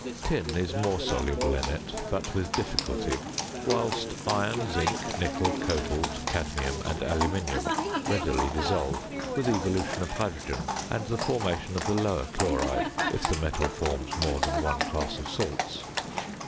Tin is more soluble in it, but with difficulty; whilst iron, zinc, nickel, cobalt, cadmium, and aluminium easily dissolve with evolution of hydrogen and the formation of the lower chloride if the metal forms more than one class of salts.